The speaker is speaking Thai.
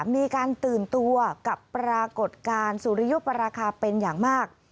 มีการตื่นตัวกับปรากฏการณ์สุริยุปราคาเป็นอย่างมาก